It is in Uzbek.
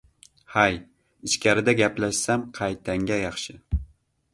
— Hay, ichkarida gaplashsam qaytangga yaxshi